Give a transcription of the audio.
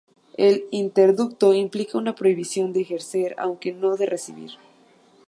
El interdicto implica una prohibición de ejercer, aunque no de recibir.